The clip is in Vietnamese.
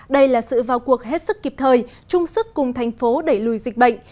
đây là sự vào cuộc hết sức kịp thời chung sức cùng thành phố đẩy lùi dịch bệnh